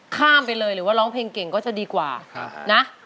ข้ามไปเลยหรือว่าร้องเพลงเก่งก็จะดีกว่านะ